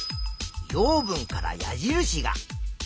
養分から矢印が。